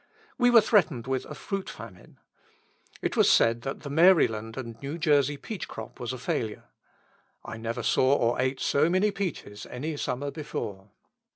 We were threatened with a fruit famine. It was said that the Maryland and New Jersey peach crop was a failure. I never saw or ate so many peaches any summer before.